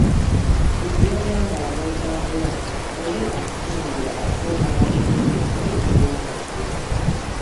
Buli lw‘oyambala n‘otambula, oli akutunuulira, asooka n‘atunuulira engoye z‘oyambadde.